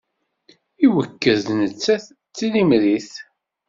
Iwekked-d nettat d tilemrit.